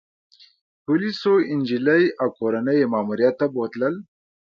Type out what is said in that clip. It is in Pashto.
پولیسو انجلۍ او کورنۍ يې ماموریت ته بوتلل